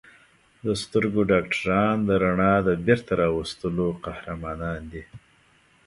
د سترګو ډاکټران د رڼا د بېرته راوستلو قهرمانان دي.